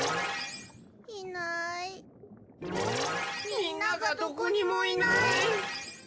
みんながどこにもいない。